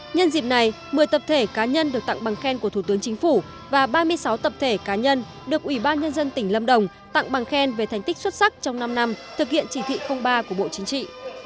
nhân dịp này một mươi tập thể cá nhân được tặng bằng khen của thủ tướng chính phủ và ba mươi sáu tập thể cá nhân được ủy ban nhân dân tỉnh lâm đồng tặng bằng khen về thành tích xuất sắc trong năm năm thực hiện chỉ thị ba của bộ chính trị